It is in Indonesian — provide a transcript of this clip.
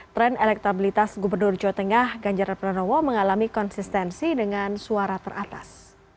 tren elektabilitas gubernur jawa tengah ganjar pranowo mengalami konsistensi dengan suara teratas